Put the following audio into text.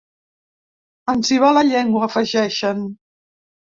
Ens hi va la llengua, afegeixen.